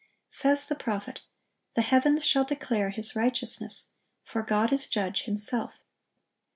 Says the prophet, "The heavens shall declare His righteousness: for God is judge Himself."